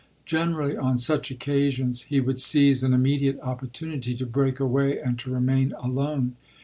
Generally on such occasions he would seize an immediate oppor tunity to break away and to remain alone.